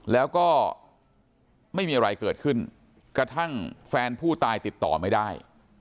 แล้วก็ไม่มีอะไรเกิดขึ้นกระทั่งแฟนผู้ตายติดต่อไม่ได้